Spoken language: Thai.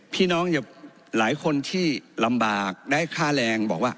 พี่น้องหลายคนที่ลำบากได้ค่าแรงบอกว่า